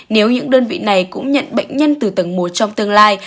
nếu những đơn vị này cũng nhận bệnh nhân từ tầng một trong tương lai